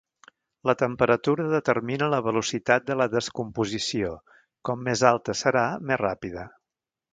La temperatura determina la velocitat de la descomposició, com més alta serà més ràpida.